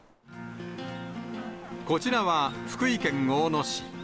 こちらは福井県大野市。